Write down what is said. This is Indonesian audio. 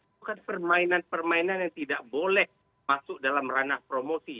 itu kan permainan permainan yang tidak boleh masuk dalam ranah promosi